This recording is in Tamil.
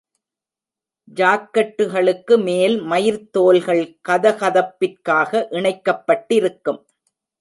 ஜாக்கெட்டுகளுக்கு மேல், மயிர்த் தோல்கள் கதகதப்பிற்காக இணைக்கப்பட்டிருக்கும்.